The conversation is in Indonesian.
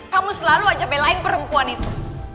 kamu selalu aja belain perempuan itu